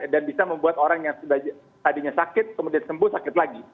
dan bisa membuat orang yang tadinya sakit kemudian sembuh sakit lagi